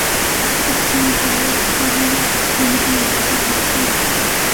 Creció en Tallahassee, Florida, donde comenzó su carrera actoral.